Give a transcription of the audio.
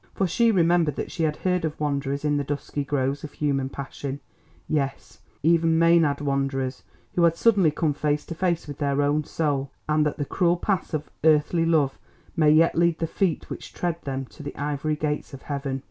For she remembered that she had heard of wanderers in the dusky groves of human passion, yes, even Mænad wanderers, who had suddenly come face to face with their own soul; and that the cruel paths of earthly love may yet lead the feet which tread them to the ivory gates of heaven.